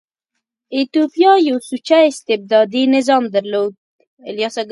ایتوپیا یو سوچه استبدادي نظام درلود.